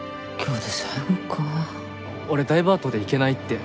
俺ダイバートで行けないって。